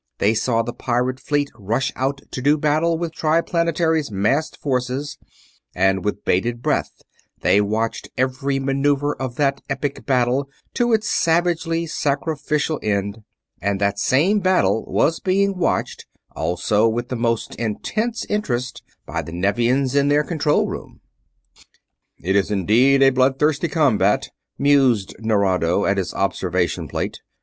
They saw the pirate fleet rush out to do battle with Triplanetary's massed forces, and with bated breath they watched every maneuver of that epic battle to its savagely sacrificial end. And that same battle was being watched, also with the most intense interest, by the Nevians in their control room. "It is indeed a bloodthirsty combat," mused Nerado at his observation plate.